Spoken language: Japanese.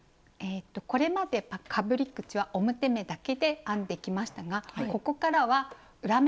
これまでかぶり口は表目だけで編んできましたがここからは裏目が登場します。